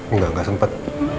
enggak gak sempet